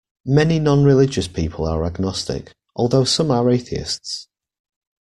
Many nonreligious people are agnostic, although some are atheists